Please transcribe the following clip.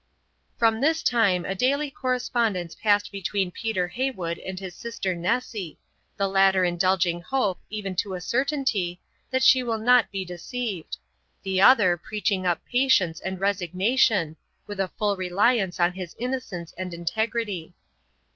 From this time a daily correspondence passed between Peter Heywood and his sister Nessy, the latter indulging hope, even to a certainty, that she will not be deceived, the other preaching up patience and resignation, with a full reliance on his innocence and integrity.